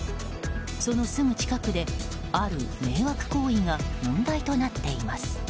そのすぐ近くで、ある迷惑行為が問題となっています。